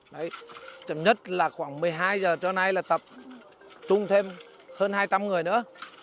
đấy chẳng nhất là khoảng một mươi hai giờ cho nay là tập trung thêm hơn hai tăm người nữa